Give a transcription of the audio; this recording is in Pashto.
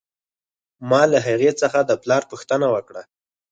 ما له هغې څخه د پلار پوښتنه وکړه